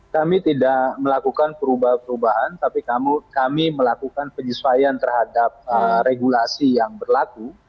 kami tidak melakukan perubahan perubahan tapi kami melakukan penyesuaian terhadap regulasi yang berlaku